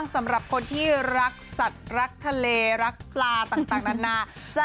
สำหรับคนที่รักสัตว์รักทะเลรักปลาต่างนานา